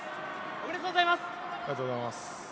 ありがとうございます。